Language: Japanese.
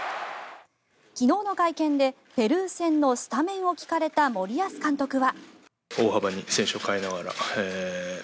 昨日の会見でペルー戦のスタメンを聞かれた森保監督は。